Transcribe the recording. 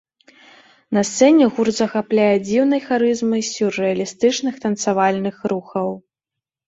На сцэне гурт захапляе дзіўнай харызмай з сюррэалістычных танцавальных рухаў.